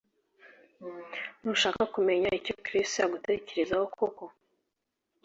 Ntushaka kumenya icyo Chris agutekerezaho koko